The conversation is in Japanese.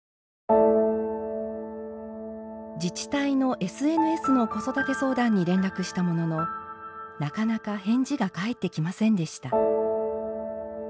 自治体のＳＮＳの子育て相談に連絡したもののなかなか返事が返ってきませんでした。